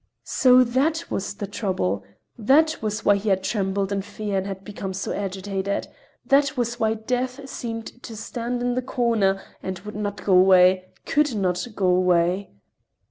So that was the trouble! That was why he had trembled in fear and had become so agitated! That was why Death seemed to stand in the corner and would not go away, could not go away!